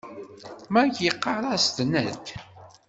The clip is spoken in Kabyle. Mike yeɣɣar-as Ned.